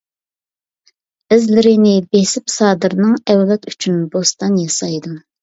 ئىزلىرىنى بېسىپ سادىرنىڭ، ئەۋلاد ئۈچۈن بوستان ياسايدۇ.